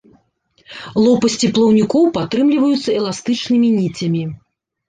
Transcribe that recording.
Лопасці плаўнікоў падтрымліваюцца эластычнымі ніцямі.